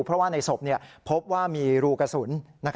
เพราะว่าในศพพบว่ามีรูกระสุน